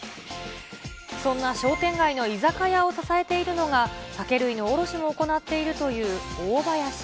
そんな商店街の居酒屋を支えているのが、酒類の卸も行っているという大林。